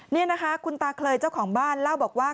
นี่นะคะคุณตาเคยเจ้าของบ้านเล่าบอกว่า